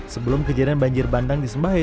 sebelum kejadian banjir bandang disembahai